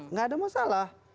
nggak ada masalah